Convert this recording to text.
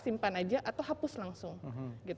simpan aja atau hapus langsung